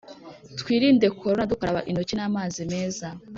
Twirinde corona dukaraba inoki n’amazi meza